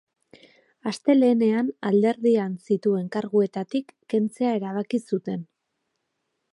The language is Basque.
Astelehenean alderdian zituzten karguetatik kentzea erabaki zuten.